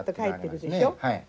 はい。